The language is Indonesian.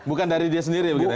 bukan dari dia sendiri begitu ya